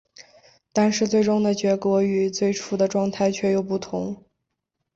但是最终的结果与最初的状态却又不同。